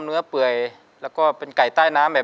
ต้นไม้ประจำจังหวัดระยองการครับ